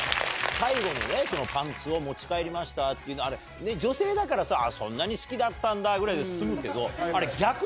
最後のパンツを持ち帰りましたっていうのあれ女性だからそんなに好きだったんだぐらいで済むけどあれ。